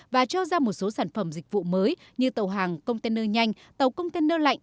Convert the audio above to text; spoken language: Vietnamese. và cho ra một số sản phẩm dịch vụ mới như tàu hàng container nhanh tàu container lạnh